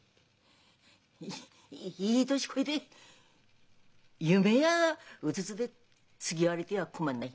いいい年こいで夢やうつつでつぎあわれでは困んない。